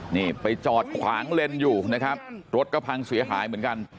นี่ไปจอดขวางเลนอยู่นะครับรถก็พังเสียหายเหมือนกัน